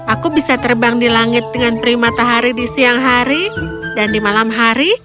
aku bisa terbang di langit dengan beri matahari di siang hari dan di malam hari